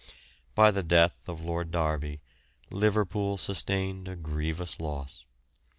By the death of Lord Derby, Liverpool sustained a grievous loss.